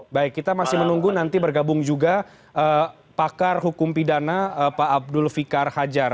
baik kita masih menunggu nanti bergabung juga pakar hukum pidana pak abdul fikar hajar